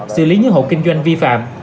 xử lý những hộ kinh doanh vi phạm